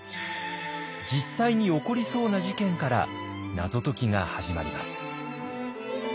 実際に起こりそうな事件から謎解きが始まります。